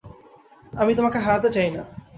আমি তোমাকে হারাতে চাই না!